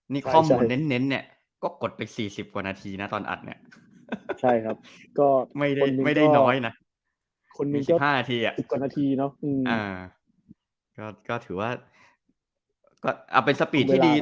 มคอันนี้นิ้นนี้ก็กดไป๔๐กว่านาทีตอนอัดไม่ได้น้อย๑๕นาที